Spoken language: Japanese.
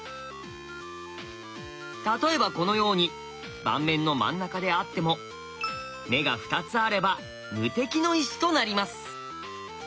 例えばこのように盤面の真ん中であっても眼が２つあれば無敵の石となります。